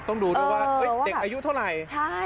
ต้องดูด้วยว่าเด็กอายุเท่าไหร่